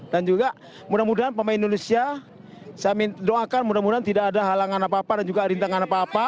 dan juga mudah mudahan pemain indonesia saya doakan mudah mudahan tidak ada halangan apa apa dan juga rintangan apa apa